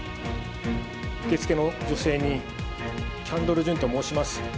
受付の女性に、キャンドル・ジュンと申します。